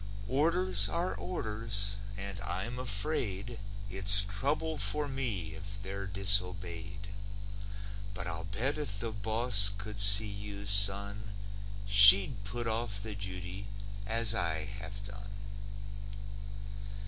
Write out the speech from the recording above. Orders are orders and I'm afraid It's trouble for me if they're disobeyed. But I'll bet if the boss could see you, son, She'd put off the duty, as I have done.